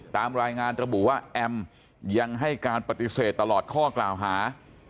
ตามรายงานระบุว่าแอมยังให้การปฏิเสธตลอดข้อกล่าวหา